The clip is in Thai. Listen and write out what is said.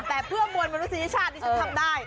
แต่เพื่อมวลมนุษยชาติที่ฉันทำได้